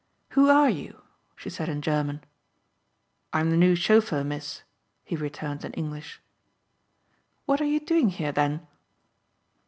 "Who are you?" she said in German. "I'm the new chauffeur, miss," he returned in English. "What are you doing here, then?"